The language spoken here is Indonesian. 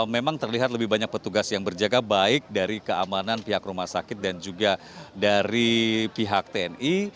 memang terlihat lebih banyak petugas yang berjaga baik dari keamanan pihak rumah sakit dan juga dari pihak tni